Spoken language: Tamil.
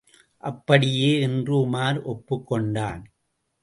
அப்படியே! என்று உமார் ஒப்புக் கொண்டான்.